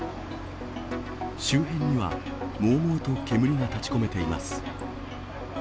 周辺にはもうもうと煙が立ちこめています。